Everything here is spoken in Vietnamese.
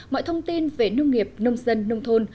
mọi thông tin về nông nghiệp nông dân nông thôn